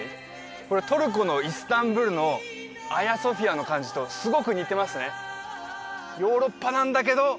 これトルコのイスタンブールのアヤソフィアの感じとすごく似てますね